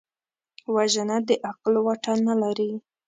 وژنه د عقل واټن نه لري